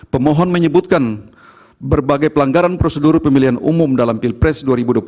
pemohon menyebutkan berbagai pelanggaran prosedur pemilihan umum dalam pilpres dua ribu dua puluh